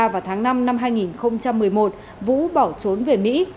vào tháng năm năm hai nghìn một mươi một vũ bỏ trốn về mỹ